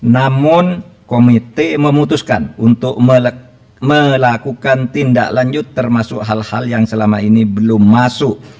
namun komite memutuskan untuk melakukan tindak lanjut termasuk hal hal yang selama ini belum masuk